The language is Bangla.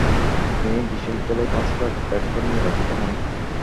তিনি বিশ্ববিদ্যালয় কাউন্সিলের রেক্টর নির্বাচিত হন।